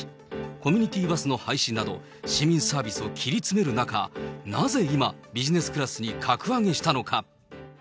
コミュニティーバスの廃止など、市民サービスを切り詰める中、なぜ今、ビジネスクラスに格上げしたのか。